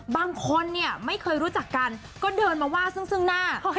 บางคนเนี่ยไม่เคยรู้จักกันก็เดินมาว่าซึ่งหน้า